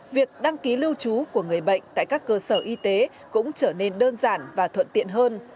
việc đăng ký lưu trú của người bệnh tại các cơ sở y tế cũng trở nên đơn giản và thuận tiện hơn